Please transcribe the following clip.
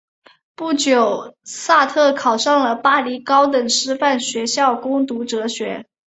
不久萨特考上了巴黎高等师范学校攻读哲学。